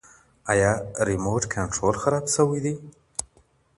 ایا ریموټ کنټرول خراب شوی دی؟